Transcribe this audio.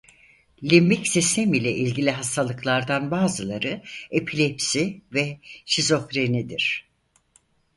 Limbik sistem ile ilgili hastalıklardan bazıları epilepsi ve şizofrenidir.